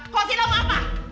kau tidak mau apa